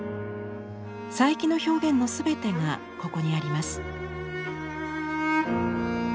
佐伯の表現の全てがここにあります。